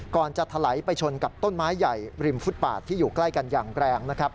ก่อนจะทะไหลไปชนกับต้นไม้ใหญ่ริมฟุตปากที่อยู่ใกล้กันอย่างแกรง